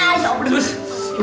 aduh pedes be